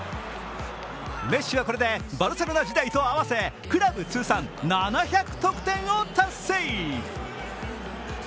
メッシはこれでバルセロナ時代と合わせクラブ通算７００得点を達成。